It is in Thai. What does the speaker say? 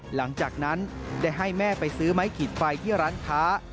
หลังจากนั้นได้ให้แม่ไปซื้อไม้ขีดไฟที่ร้านค้า